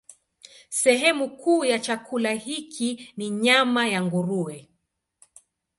Sehemu kuu ya chakula hiki ni nyama ya nguruwe.